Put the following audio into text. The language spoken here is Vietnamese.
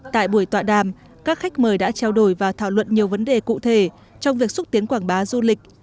tại buổi tọa đàm các khách mời đã trao đổi và thảo luận nhiều vấn đề cụ thể trong việc xúc tiến quảng bá du lịch